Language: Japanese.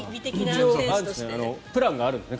プランがあるんだね